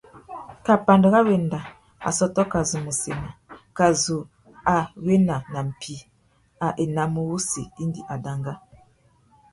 Kā pandú râ wenda, assôtô kā zu mù sema, kā zu a wena nà mpí, a enamú wussi indi a danga.